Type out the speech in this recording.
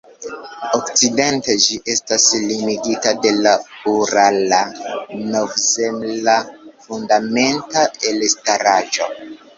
Okcidente ĝi estas limigita de la Urala-Novzemla fundamenta elstaraĵo.